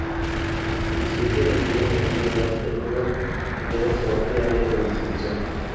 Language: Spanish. La especie requiere un estudio más detallado en toda su amplia área de distribución.